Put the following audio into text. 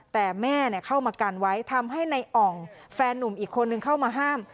แต่แม่เข้ามากันไว้ทำให้ในอ่องแฟนนุ่มอีกคนนึงเข้ามาห้าม